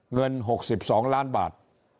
เงิน๖๒ล้านบาท